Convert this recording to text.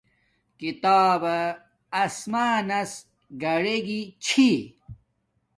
کتابا آسمانس گاڈگی چھی